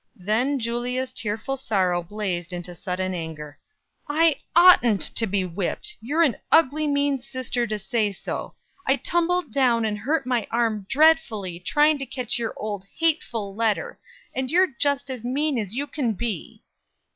Then Julia's tearful sorrow blazed into sudden anger: "I oughtn't to be whipped; you're an ugly, mean sister to say so. I tumbled down and hurt my arm dreadfully, trying to catch your old hateful letter; and you're just as mean as you can be!"